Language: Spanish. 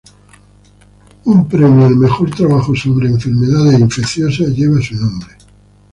Un al mejor trabajo sobre enfermedades infecciosas lleva su nombre.